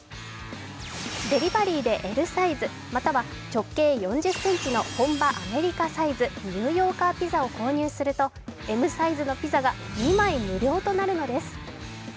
デリバリーでＬサイズ、または直径４０ｃｍの本場アメリカサイズ、ニューヨーカーピザを購入すると、Ｍサイズのピザが２枚無料となるのです。